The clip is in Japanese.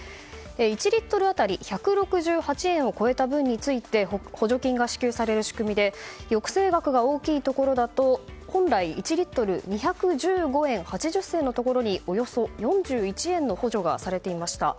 １リットル当たり１６８円を超えた分について補助金が支給される仕組みで抑制額が大きいところだと本来、１リットル当たり２１５円８０銭のところにおよそ４１円の補助がされていました。